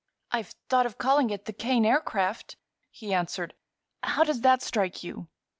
"I've thought of calling it the 'Kane Aircraft,'" he answered. "How does that strike you?"